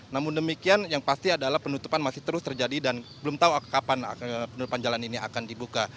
namun demikian yang pasti adalah penutupan masih terus terjadi dan belum tahu kapan penutupan jalan ini akan dibuka